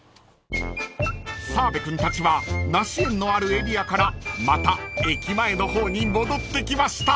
［澤部君たちは梨園のあるエリアからまた駅前の方に戻ってきました］